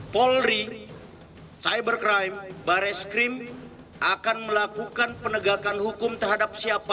polri cyber crime baris krim akan melakukan penegakan hukum terhadap siapa